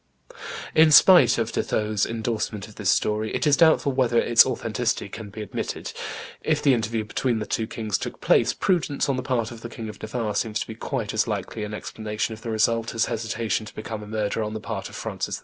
In spite of De Thou's indorsement of this story, it is doubtful whether its authenticity can be admitted; if the interview between the two kings took place, prudence on the part of the King of Navarre seems to be quite as likely an explanation of the result as hesitation to become a murderer on the part of Francis II.